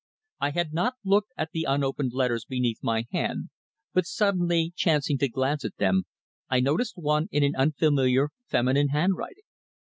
I had not looked at the unopened letters beneath my hand, but suddenly chancing to glance at them, I noticed one in an unfamiliar feminine handwriting.